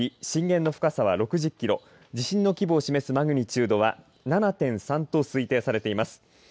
震源の深さは６０キロ地震の規模を示すマグニチュードは７．３と推定されています。